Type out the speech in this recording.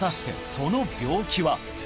その病気は？